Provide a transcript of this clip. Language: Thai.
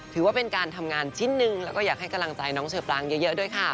ถือว่าเป็นการทำงานชิ้นหนึ่งแล้วก็อยากให้กำลังใจน้องเชอปรางเยอะด้วยค่ะ